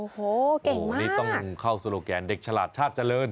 โอ้โหเก่งนี้ต้องเข้าโซโลแกนเด็กฉลาดชาติเจริญ